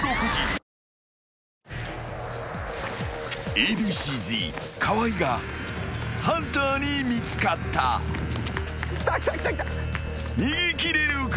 ［Ａ．Ｂ．Ｃ−Ｚ河合がハンターに見つかった］来た来た来た来た。